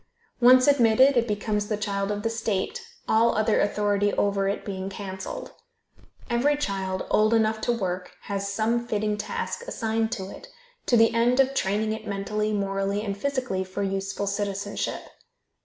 Once admitted it becomes the child of the state, all other authority over it being canceled. Every child old enough to work has some fitting task assigned to it, to the end of training it mentally, morally and physically for useful citizenship.